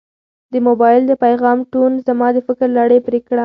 د موبایل د پیغام ټون زما د فکر لړۍ پرې کړه.